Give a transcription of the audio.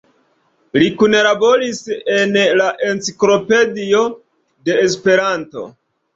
Li kunlaboris en la Enciklopedio de Esperanto.